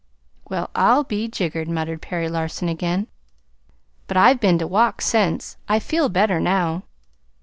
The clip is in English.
"Well, I'll be jiggered!" muttered Perry Larson again. "But I've been to walk since. I feel better now."